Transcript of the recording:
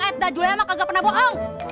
edda julema kagak pernah bohong